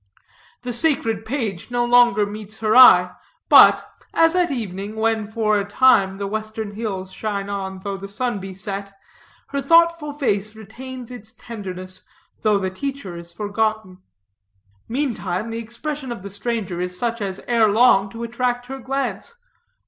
The sacred page no longer meets her eye; but, as at evening, when for a time the western hills shine on though the sun be set, her thoughtful face retains its tenderness though the teacher is forgotten. Meantime, the expression of the stranger is such as ere long to attract her glance.